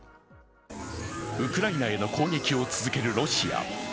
ウクライナへの攻撃がを続けるロシア。